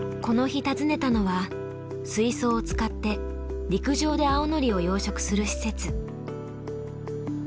この日訪ねたのは水槽を使って陸上であおのりを養殖する施設。